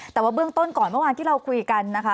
แต่ว่าเบื้องต้นก่อนเมื่อวานที่เราคุยกันนะคะ